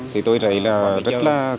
thì tôi thấy rất là đáng